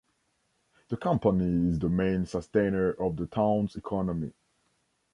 The company is the main sustainer of the town's economy.